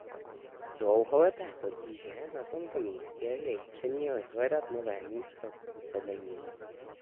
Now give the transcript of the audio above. Dlouholeté potíže na tomto místě jej přiměly hledat nové místo působení.